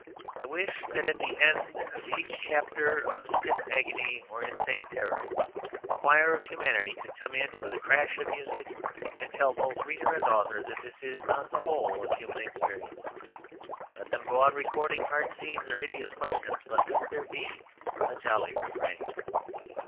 I wish that at the end of each chapter of stiff agony or insane terror the choir of humanity could come in with a crash of music and tell both the reader and the author that this is not the whole of human experience. Let them go on recording hard scenes or hideous questions, but let there be a jolly refrain.